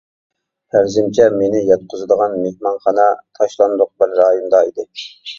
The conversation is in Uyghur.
پەرىزىمچە مېنى ياتقۇزىدىغان مېھمانخانا تاشلاندۇق بىر رايوندا ئىدى.